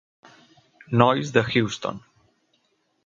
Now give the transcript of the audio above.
Noyes de Houston.